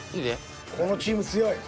このチーム強い。